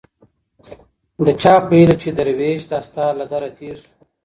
د چا په هيله چي دروېش دا ستا له دره تېر سو